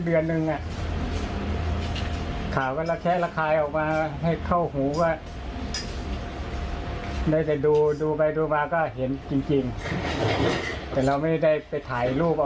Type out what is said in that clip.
อยากจะกินอะไรก็โทสั่งอย่างเดียว